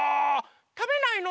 たべないの？